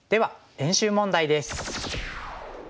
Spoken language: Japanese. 練習問題です。